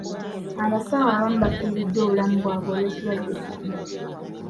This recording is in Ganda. Abasawo abamu baafiriddwa obulamu bwabwe olw'ekirwadde kino.